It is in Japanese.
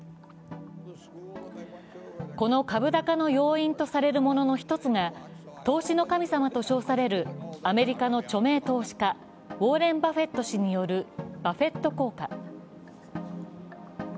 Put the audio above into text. この株高の要因とされるものの１つが投資の神様と称されるアメリカの著名投資家、ウォーレン・バフェット氏によるバフェット効果。